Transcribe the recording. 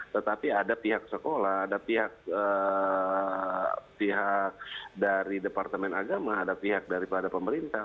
tetapi ada pihak sekolah ada pihak dari departemen agama ada pihak daripada pemerintah